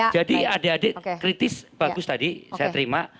jadi adik adik kritis bagus tadi saya terima